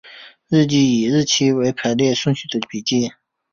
日记是以日期为排列顺序的笔记。